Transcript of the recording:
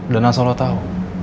dan asal lo tau